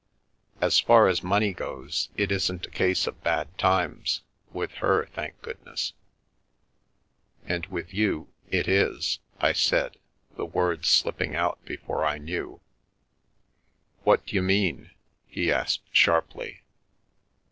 As far as money goes, it isn't a case of bad times — with her, thank goodness !"" And with you — it is," I said, the words slipping out before I knew. " What d'you mean ?" he asked sharply.